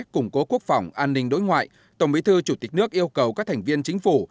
củng cố quốc phòng an ninh đối ngoại tổng bí thư chủ tịch nước yêu cầu các thành viên chính phủ